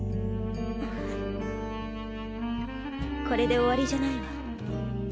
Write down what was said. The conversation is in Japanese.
これで終わりじゃないわ。